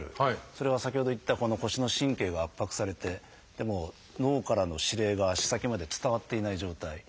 それは先ほど言った腰の神経が圧迫されて脳からの指令が足先まで伝わっていない状態。